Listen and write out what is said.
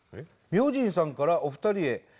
「明神さんからお二人へ」。